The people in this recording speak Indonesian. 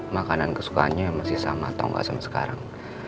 makanan kesukaannya masih sama atau enggak sama sekarang